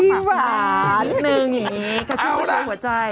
เพิ่งอื่นแบบนี้ชิ้นมาชมหัวใจ